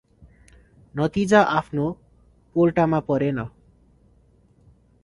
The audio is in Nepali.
नतिजा आफ्नो पोल्टामा परेन ।